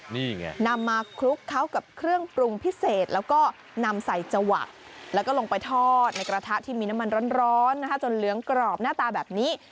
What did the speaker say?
นี่ไงนำมาคลุกเข้ากับเครื่องปรุงพิเศษแล้วก็นำใส่จวักแล้วก็ลงไปทอดในกระทะที่มีน้ำมันร้อนนะคะจนเหลืองกรอบหน้าตาแบบนี้